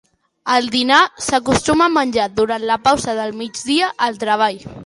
El dinar s'acostuma a menjar durant la pausa del migdia al treball.